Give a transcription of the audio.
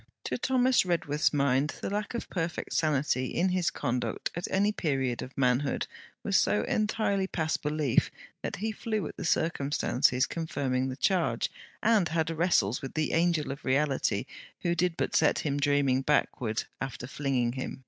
To Thomas Redworth's mind the lack of perfect sanity in his conduct at any period of manhood, was so entirely past belief that he flew at the circumstances confirming the charge, and had wrestles with the angel of reality, who did but set him dreaming backward, after flinging him.